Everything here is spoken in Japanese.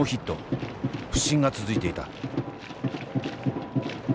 不振が続いていた。